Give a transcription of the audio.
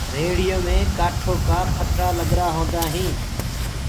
ريڙهيو مي ڪآٺو ڪآ ڦٽآ ڪگرآ هوندآ هينٚ۔